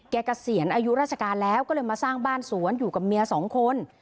เกษียณอายุราชการแล้วก็เลยมาสร้างบ้านสวนอยู่กับเมียสองคน